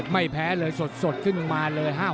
ไม่แพ้เลยสดขึ้นมาเลย